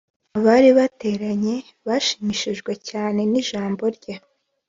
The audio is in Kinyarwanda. [abari bateranye bashimishijwe cyane nijambo rye.